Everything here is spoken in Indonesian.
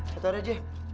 satu hari aja